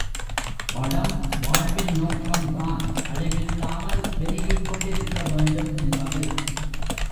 படம் வாழ்வின் நோக்கம் தான் அழிவில்லாமல் பெருகிக்கொண்டிருக்க வேண்டும் என்பது.